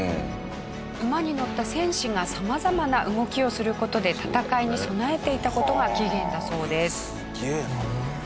馬に乗った戦士が様々な動きをする事で戦いに備えていた事が起源だそうです。